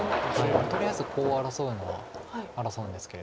とりあえずコウを争うのは争うんですけれど。